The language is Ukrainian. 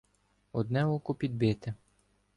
Одне око підбите.